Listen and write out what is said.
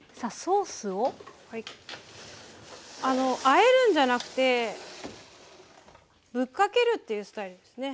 あえるんじゃなくてぶっかけるっていうスタイルですね。